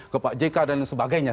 ke pak jk dan sebagainya